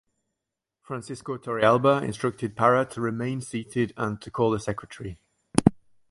Francisco Torrealba instructed Parra to remain seated and to call the secretary.